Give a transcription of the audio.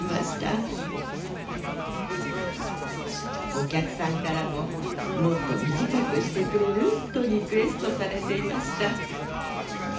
お客さんからも「もっと短くしてくれる？」とリクエストされていました。